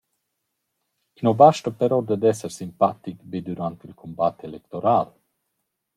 I nu basta però dad esser simpatic be dürant il cumbat electoral.